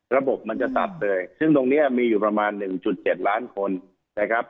ระบบมันจะตัดเลยซึ่งตรงนี้มีอยู่ประมาณ๑๗ล้านคนนะครับ